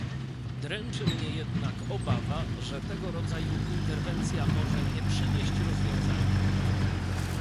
Dręczy mnie jednak obawa, że tego rodzaju interwencja może nie przynieść rozwiązania